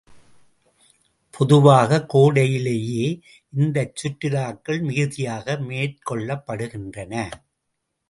பொதுவாகக் கோடையிலேயே இந்தச் சுற்றுலாக்கள் மிகுதியாக மேற்கொள்ளப்படுகின்றன.